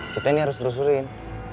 kita ini harus terus terusin